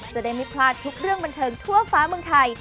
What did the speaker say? จะได้ไม่พลาดทุกเรื่องบันเทิงทั่วฟ้าเมืองไทย